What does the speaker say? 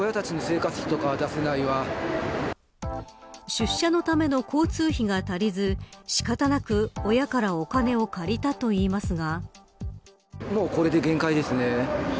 出社のための交通費が足りず仕方なく親からお金を借りたと言いますが。